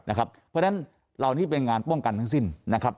เพราะฉะนั้นเหล่านี้เป็นงานป้องกันทั้งสิ้นนะครับ